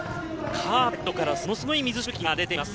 カーペットからものすごい水しぶきが出ています。